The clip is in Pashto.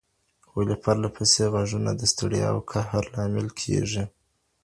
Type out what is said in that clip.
ولي پرله پسې غږونه د ستړیا او قهر لامل کېږي؟